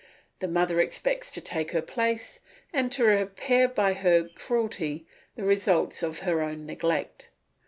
The mother expects to take her place, and to repair by her cruelty the results of her own neglect.